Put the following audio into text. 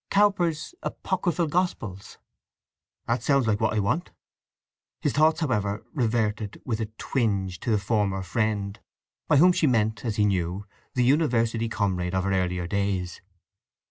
Cowper's Apocryphal Gospels." "That sounds like what I want." His thoughts, however reverted with a twinge to the "former friend"—by whom she meant, as he knew, the university comrade of her earlier days.